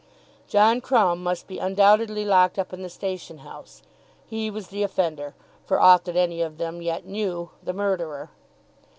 John Crumb must be undoubtedly locked up in the station house. He was the offender; for aught that any of them yet knew, the murderer.